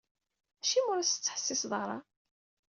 Acimi ur as-tettḥessiseḍ ara?